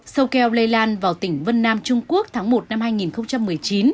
sâu keo lây lan vào tỉnh vân nam trung quốc tháng một năm hai nghìn một mươi chín